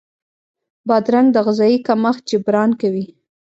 بادرنګ د غذايي کمښت جبران کوي.